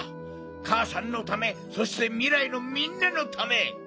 かあさんのためそしてみらいのみんなのため！